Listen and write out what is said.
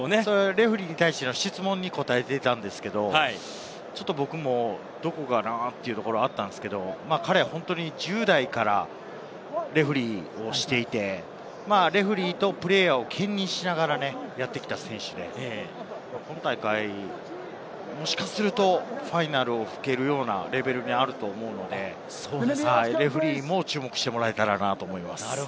レフェリーに対しての質問に答えていたんですけれど、彼は本当に１０代からレフェリーをしていて、レフェリーとプレーヤーを兼任しながらやってきた選手で、今大会、もしかするとファイナルをふけるようなレベルにあると思うので、レフェリーも注目してもらえたらと思います。